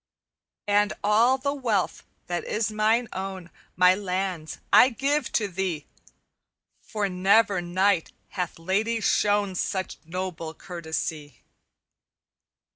"'And all the wealth that is mine own, My lands, I give to thee, For never knight hath lady shown Such noble courtesy.